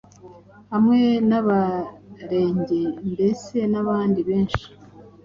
hamwe n'Abarenge, mbese n'abandi benshi